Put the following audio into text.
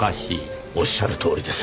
おっしゃるとおりです。